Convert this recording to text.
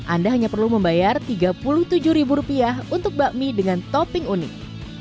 anda hanya perlu membayar tiga puluh tujuh ribu rupiah untuk bakmi dengan topping unik